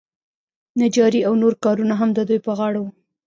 نجاري او نور کارونه هم د دوی په غاړه وو.